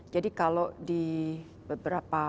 jadi kalau di beberapa